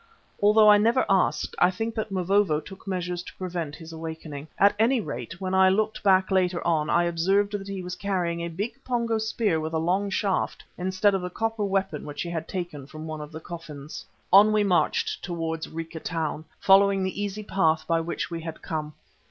Although I never asked, I think that Mavovo took measures to prevent his awakening. At any rate when I looked back later on, I observed that he was carrying a big Pongo spear with a long shaft, instead of the copper weapon which he had taken from one of the coffins. On we marched towards Rica Town, following the easy path by which we had come.